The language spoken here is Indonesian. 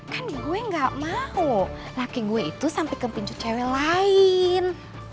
kan gue gak mau laki gue itu sampai ke pincu cewek lain